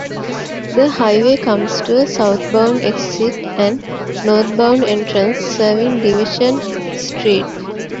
The highway comes to a southbound exit and northbound entrance serving Division Street.